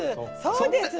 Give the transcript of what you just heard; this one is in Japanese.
そうです。